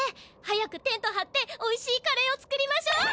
早くテントはっておいしいカレーを作りましょう！